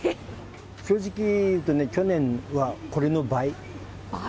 正直いうとね、去年はこれの倍。倍？